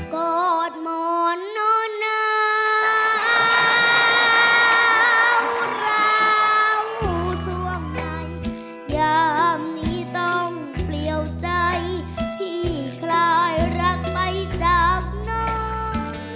กอดหมอนนอนหนาวราวช่วงไหนยามนี้ต้องเปลี่ยวใจที่คลายรักไปจากน้อง